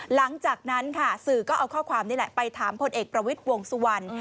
หลังจากนั้นค่ะสื่อก็เอาข้อความนี่แหละไปถามพลเอกประวิทย์วงสุวรรณ